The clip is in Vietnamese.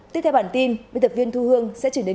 tiếp theo bản tin biên tập viên thu hương sẽ chuyển đến